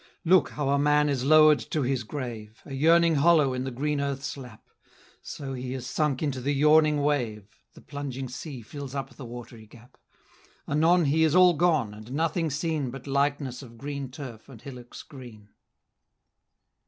Look how a man is lower'd to his grave, A yearning hollow in the green earth's lap; So he is sunk into the yawning wave, The plunging sea fills up the watery gap; Anon he is all gone, and nothing seen But likeness of green turf and hillocks green.